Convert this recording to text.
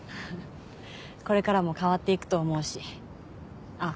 これからも変わっていくと思うしあっ